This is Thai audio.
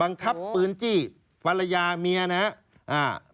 บังคับปืนจี้ภรรยาเมียนะครับ